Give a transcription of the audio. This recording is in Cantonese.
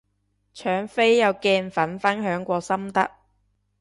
搶飛有鏡粉分享過心得